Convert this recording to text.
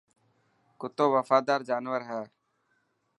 ڪتو وفادار جانور هي.